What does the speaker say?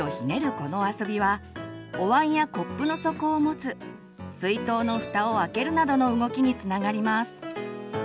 この遊びはおわんやコップの底を持つ水筒のふたを開けるなどの動きにつながります。